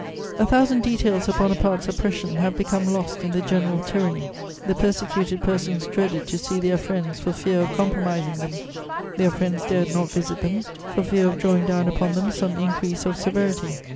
A thousand details of Bonaparte's oppression have become lost in the general tyranny: the persecuted persons dreaded to see their friends for fear of compromising them; their friends dared not visit them, for fear of drawing down upon them some increase of severity.